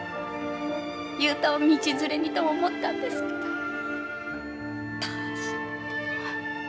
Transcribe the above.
雄太を道連れにと思ったんですけどどうしても。